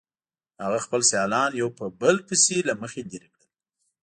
هغه خپل سیالان یو په بل پسې له مخې لرې کړل